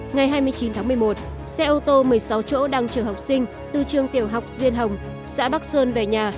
ngày hai mươi chín tháng một mươi một xe ô tô một mươi sáu chỗ đang chờ học sinh từ trường tiểu học diên hồng xã bắc sơn về nhà